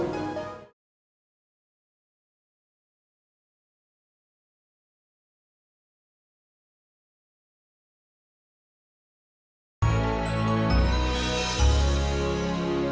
sampai jumpa lagi